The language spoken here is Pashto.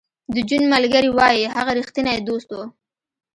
د جون ملګري وایی هغه رښتینی دوست و